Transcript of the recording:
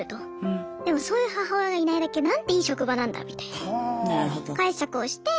でもそういう母親がいないだけなんていい職場なんだみたいな解釈をして。